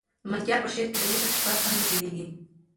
د ملکیار په شعر کې د عشق شپه څنګه تېرېږي؟